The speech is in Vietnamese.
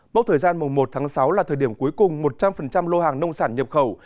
bốc thời gian một tháng sáu là thời điểm cuối cùng một trăm linh lô hàng nông sản nhập khẩu